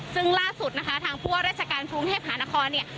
ซึ่งล่าสุดนะคะทางผู้ว่าราชการกรุงเทพหานครเนี่ย